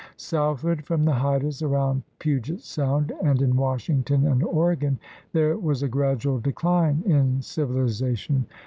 Southward from the Haidas, around Puget Sound and in Washington and Oregon, there was a gradual decline in civihzation.